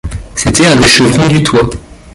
C’était un des chevrons du toit.